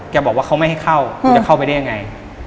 บอกว่าเขาไม่ให้เข้ากูจะเข้าไปได้ยังไง